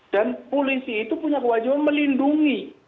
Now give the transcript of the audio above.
dan polisi itu punya kewajiban melindungi